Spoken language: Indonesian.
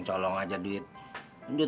mulam ke cedodin lu